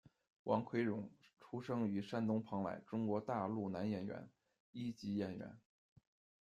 王奎荣，出生于山东蓬莱，中国大陆男演员，一级演员。